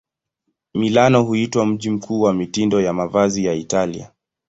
Milano huitwa mji mkuu wa mitindo ya mavazi ya Italia.